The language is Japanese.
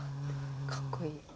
かっこいいって。